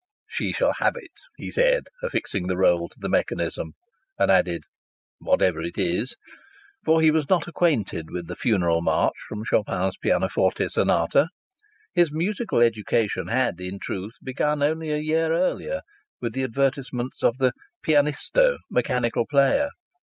"She shall have it," he said, affixing the roll to the mechanism. And added: "Whatever it is!" For he was not acquainted with the Funeral March from Chopin's Pianoforte Sonata. His musical education had, in truth, begun only a year earlier with the advertisements of the "Pianisto" mechanical player.